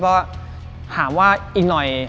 เพราะหาว่าอีกหน่อย